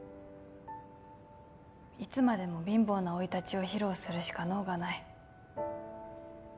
いつまでも貧乏な生い立ちを披露するしか能がない